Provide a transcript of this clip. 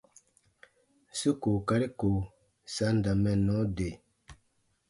Su kookari ko sa n da mɛnnɔ de.